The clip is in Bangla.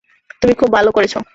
তুমি খুব ভাল করেছ।